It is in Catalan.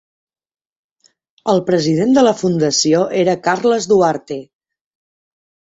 El president de la fundació era Carles Duarte.